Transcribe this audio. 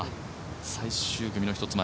最終組の１つ前。